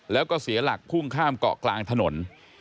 แล้วก็เสียหลักพุ่งข้ามเกาะกลางถนน